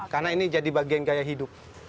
karena ini jadi bagian gaya hidup